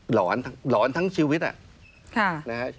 หอนหลอนทั้งชีวิต